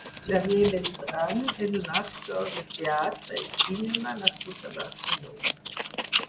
Javier Beltrán és un actor de teatre i cinema nascut a Barcelona.